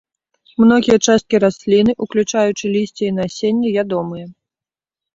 Многія часткі расліны, уключаючы лісце і насенне, ядомыя.